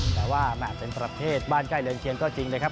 แต่ว่าเป็นประเภทบ้านใกล้เรือนเคียงก็จริงนะครับ